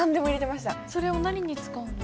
それを何に使うの？